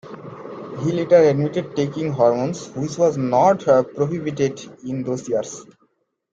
He later admitted taking hormones, which was not prohibited in those years.